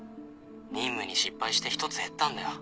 任務に失敗して１つ減ったんだよ。